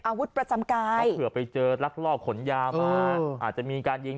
อาวุธประจำกายเพราะเผื่อไปเจอลักลอบขนยามาอาจจะมีการยิง